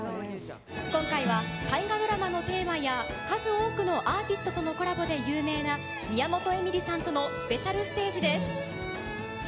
今回は大河ドラマのテーマや数多くのアーティストとのコラボで有名な宮本笑里さんとのスペシャルステージです。